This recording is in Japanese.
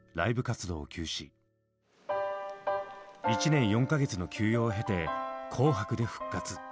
１年４か月の休養を経て「紅白」で復活。